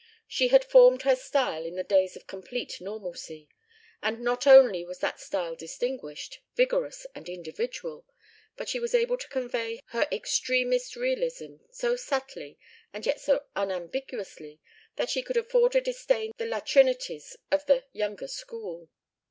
She had formed her style in the days of complete normalcy, and not only was that style distinguished, vigorous, and individual, but she was able to convey her extremest realism so subtly and yet so unambiguously that she could afford to disdain the latrinities of the "younger school."